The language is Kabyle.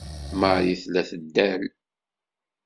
Marie tella teddal.